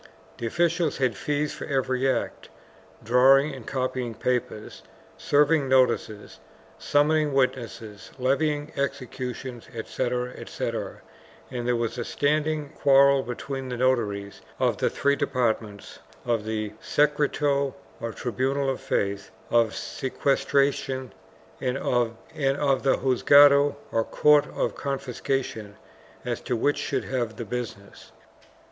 The officials had fees for every act, drawing and copying papers, serving notices, summoning witnesses, levying executions, etc., etc., and there was a standing quarrel between the notaries of the three departments — of the secreto, or tribunal of faith, of sequestra tions and of the juzgado, or court of confiscations — as to which should have the business.